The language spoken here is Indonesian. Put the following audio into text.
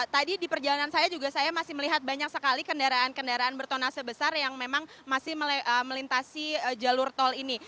tadi di perjalanan saya juga saya masih melihat banyak sekali kendaraan kendaraan bertona sebesar yang memang masih melintasi jalur tol ini